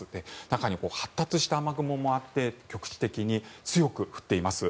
中には発達した雨雲もあって局地的に強く降っています。